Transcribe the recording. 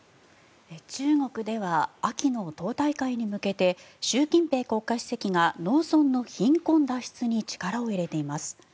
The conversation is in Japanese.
中国では秋の党大会に向けて習近平国家主席が農村の貧困脱出に力を入れています。